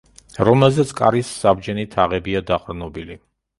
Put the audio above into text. რომელზეც კარის საბჯენი თაღებია დაყრდნობილი.